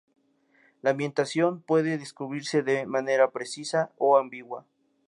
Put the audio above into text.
La ambientación puede describirse de manera precisa o ambigua.